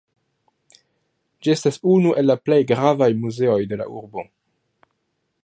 Ĝi estas unu el la plej gravaj muzeoj de la urbo.